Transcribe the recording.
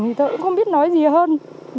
thì tôi cũng không biết nói gì hơn